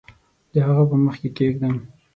د هغه په مخ کې کښېږدم